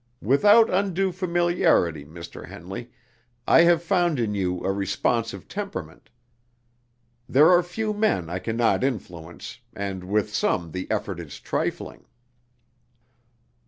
Without undue familiarity, Mr. Henley, I have found in you a responsive temperament. There are few men I can not influence, and with some the effort is trifling."